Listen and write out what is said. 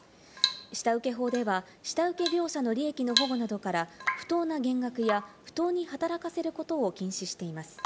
下請法では、下請け業者の利益の保護などから不当な減額や不当に働かせることを禁止しています。